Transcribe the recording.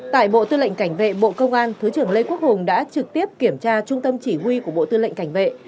tại bộ tư lệnh cảnh vệ bộ công an thứ trưởng lê quốc hùng đã trực tiếp kiểm tra trung tâm chỉ huy của bộ tư lệnh cảnh vệ